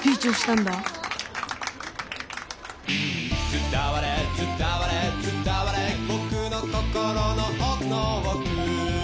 「伝われ伝われ伝われ僕の心の奥の奥」